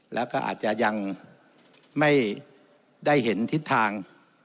แล้วก็อาจจะยังไม่ได้เห็นทิศทาง